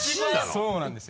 そうなんですよ。